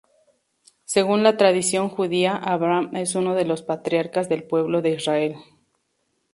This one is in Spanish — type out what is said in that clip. Según la tradición judía, Abraham es uno de los patriarcas del pueblo de Israel.